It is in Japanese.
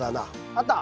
あった！